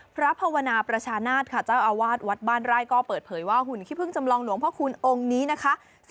ภาวนาประชานาศค่ะเจ้าอาวาสวัดบ้านไร่ก็เปิดเผยว่าหุ่นขี้พึ่งจำลองหลวงพ่อคูณองค์นี้นะคะ